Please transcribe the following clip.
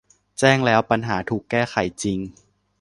แจ้งแล้วปัญหาถูกแก้ไขจริง